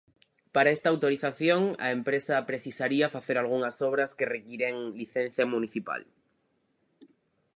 Para esta autorización, a empresa precisaría facer algunhas obras que requiren licenza municipal.